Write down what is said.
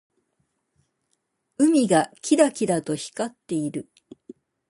海がキラキラと光っている。